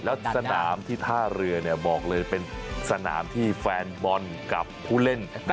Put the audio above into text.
แล้วสนามที่ท่าเรือบอกเลยเป็นสนามที่แฟนบอลกับผู้เล่น